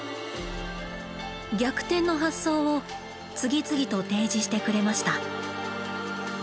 「逆転の発想」を次々と提示してくれました。